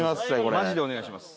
マジでお願いします。